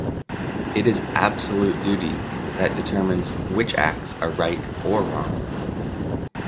It is "absolute duty" that determines which acts are right or wrong.